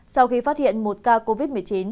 sau khi phát hiện một ca covid một mươi chín